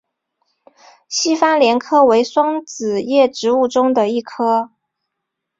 西番莲科为双子叶植物中的一科。